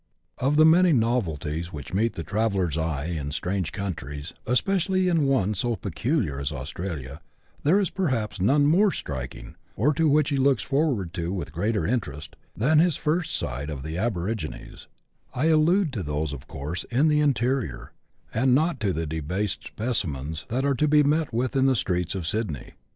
Op the many novelties which meet the traveller's eye in strange countries, but especially in one so peculiar as Australia, there is perhaps none more striking, or to which he looks forward with greater interest, than his first sight of the aborigines ; I allude of course to those in the interior, and not to the debased speci mens that are to be met with in the streets of Sydney.